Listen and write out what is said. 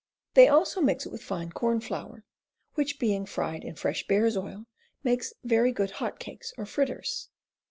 They also mix it with fine corn flour, which being fried in fresh bear's oil makes very good hot cakes or fritters."